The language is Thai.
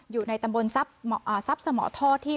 อยู่ในตำบลทรัพย์สมท่อที่